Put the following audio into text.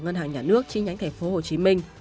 ngân hàng nhà nước chi nhánh thành phố hồ chí minh